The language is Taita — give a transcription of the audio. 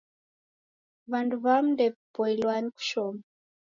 W'anduw'amu ndew'ipoilwa ni kushoma